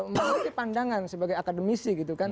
mengerti pandangan sebagai akademisi